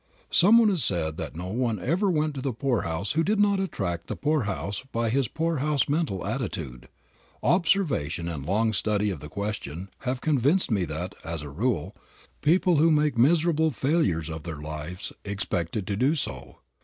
Some one has said that no one ever went to the poorhouse who did not attract the poorhouse by his poorhouse mental attitude. Observation and long study of the question have convinced me that, as a rule, people who make miserable failures of their lives expected to do so.